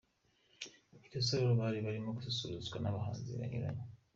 I Rusororo bari barimo gususurutswa n'abahanzi banyuranye.